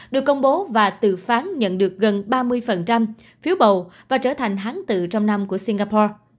được công bố và từ phán nhận được gần ba mươi phiếu bầu và trở thành hán tự trong năm của singapore